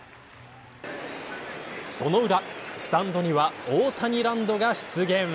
その裏、スタンドにはオオタニランドが出現。